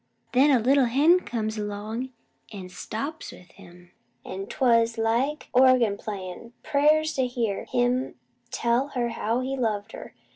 Then a little hen comes 'long, an' stops with him; an' 'twas like an organ playin' prayers to hear him tell her how he loved her.